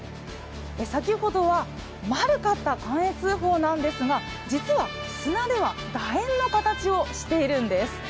先ほどは丸かった寛永通宝なんですが実は砂ではだ円の形をしているんです